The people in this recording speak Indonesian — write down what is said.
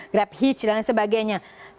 grab hitch dan lain sebagainya